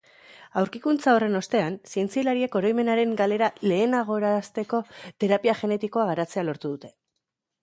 Aurkikuntza horren ostean, zientzialariek oroimenaren galera lehenagorazteko terapia genetikoa garatzea lortu dute.